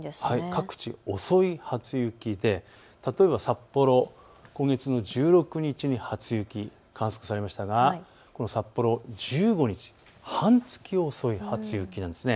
各地、遅い初雪で例えば札幌、今月の１６日に初雪が観測されましたが札幌１５日、半月遅い初雪です。